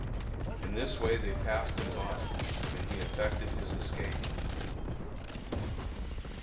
In this way they passed him by, and he effected his escape.